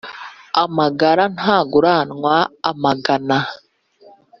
Amagara ntaguranwa amagana.